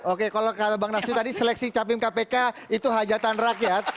oke kalau kata bang nasir tadi seleksi capim kpk itu hajatan rakyat